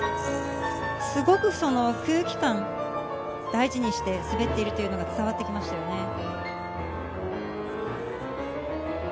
すごく空気感を大事にして滑っているのが伝わってきましたね。